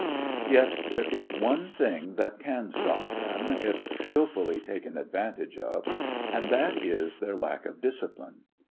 Yet there is one thing that can stop them, if skilfully taken advantage of, and that is their lack of discipline.